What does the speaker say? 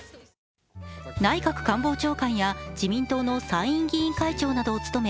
内閣官房長官や自民党の参院議員会長などを務め、